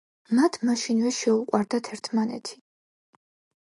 მათ მაშინვე შეუყვარდათ ერთმანეთი.